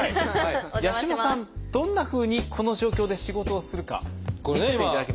八嶋さんどんなふうにこの状況で仕事をするか見せていただけますか？